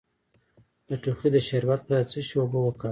د ټوخي د شربت پر ځای د څه شي اوبه وکاروم؟